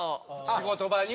仕事場には。